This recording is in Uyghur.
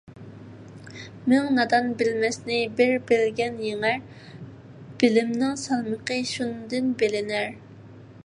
مىڭ نادان - بىلمەسنى بىر بىلگەن يېڭەر، بىلىمنىڭ سالمىقى شۇندىن بىلىنەر.